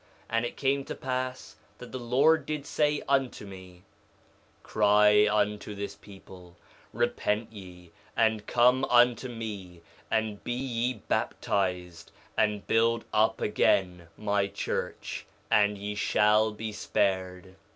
3:2 And it came to pass that the Lord did say unto me: Cry unto this people—Repent ye, and come unto me, and be ye baptized, and build up again my church, and ye shall be spared.